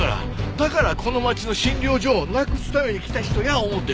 だからこの町の診療所をなくすために来た人や思うて。